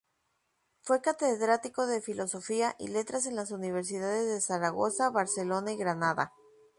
Fue catedrático de filosofía y letras en las Universidades de Zaragoza, Barcelona y Granada.